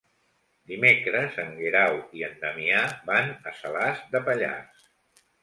Dimecres en Guerau i en Damià van a Salàs de Pallars.